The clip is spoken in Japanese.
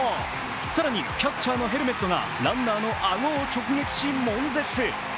更にキャッチャーのヘルメットがランナーの顎を直撃し、もん絶。